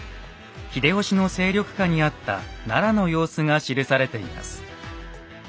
秀吉の勢力下にあった奈良の様子が記されています。